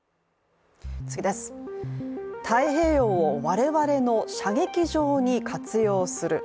太平洋を我々の射撃場に活用する。